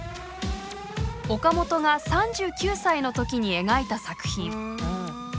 岡本が３９歳の時に描いた作品。